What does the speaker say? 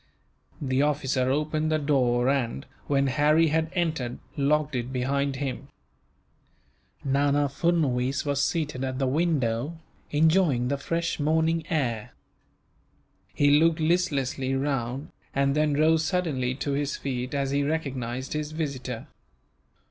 The officer opened the door and, when Harry had entered, locked it behind him. Nana Furnuwees was seated at the window, enjoying the fresh morning air. He looked listlessly round, and then rose suddenly to his feet, as he recognized his visitor.